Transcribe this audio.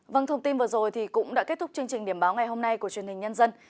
vâng thông tin vừa rồi cũng đã kết thúc chương trình điểm báo ngày hôm nay của truyền hình nhân dân